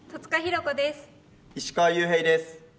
石川裕平です。